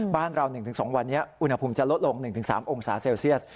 บ้านเรา๑๒วันนี้อุณหภูมิจะลดลง๑๓องศาเซลเซียส